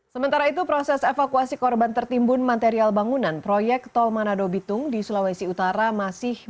sementara itu proses evakuasi korban tertimbun material bangunan proyek tol manado bitung di sulawesi utara masih berjalan